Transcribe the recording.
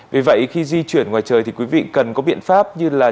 vì vậy khi di chuyển ngoài trời thì quý vị cần có biện pháp như là